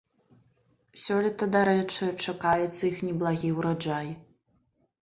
Сёлета, дарэчы, чакаецца іх неблагі ўраджай.